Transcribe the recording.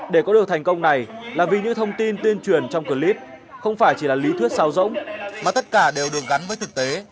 để có được thành công này là vì những thông tin tuyên truyền trong clip không phải chỉ là lý thuyết sao rỗng mà tất cả đều được gắn với thực tế